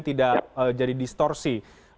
tidak jadi distorsi